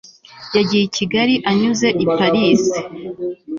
yagiye i kigali anyuze i paris